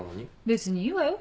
別にいいわよ